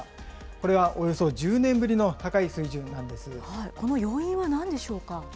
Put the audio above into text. これはおよそ１０年ぶりの高い水この要因はなんでしょうか。